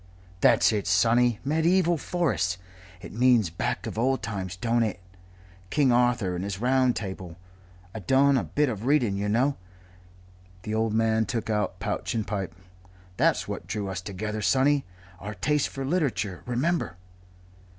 "That's it, sonny. Mediaeval forests. It means back of old times, don't it? King Arthur and his Round Table I done a bit of reading, yer know." The old man took out pouch and pipe. "That's what drew us together, sonny, our taste for literature. Remember?"